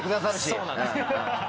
そうなんですよ。